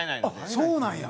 そうなんや。